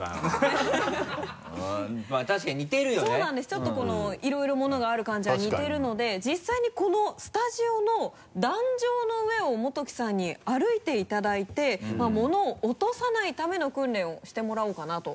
ちょっとこのいろいろ物がある感じは似てるので実際にこのスタジオの壇上の上をモトキさんに歩いていただいて物を落とさないための訓練をしてもらおうかなと。